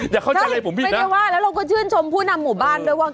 อย่าเข้าใจผมผิดไม่ได้ว่าแล้วเราก็ชื่นชมผู้นำหมู่บ้านด้วยว่า